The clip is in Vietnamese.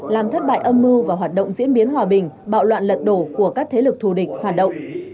làm thất bại âm mưu và hoạt động diễn biến hòa bình bạo loạn lật đổ của các thế lực thù địch phản động